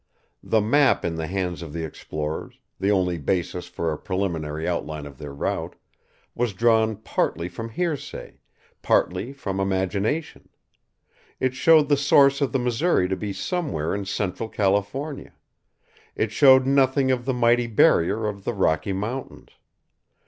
The map in the hands of the explorers, the only basis for a preliminary outline of their route, was drawn partly from hearsay, partly from imagination; it showed the source of the Missouri to be somewhere in Central California; it showed nothing of the mighty barrier of the Rocky Mountains.